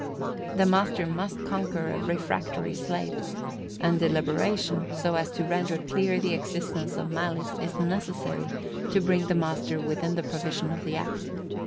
The master must conquer a refractory slave; and deliberation, so as to render clear the existence of malice, is necessary to bring the master within the provision of the act.